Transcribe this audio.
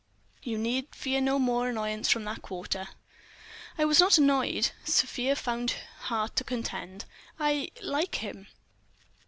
You need fear no more annoyance from that quarter." "I was not annoyed," Sofia found heart to contend. "I—like him."